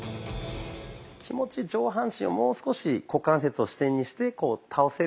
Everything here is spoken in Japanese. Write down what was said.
気持ち上半身をもう少し股関節を支点にして倒せると。